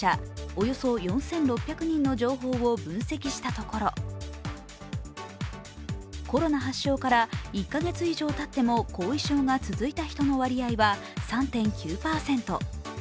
およそ４６００人の情報を分析したところコロナ発症から１か月以上たっても後遺症が続いた人の割合は３．９％。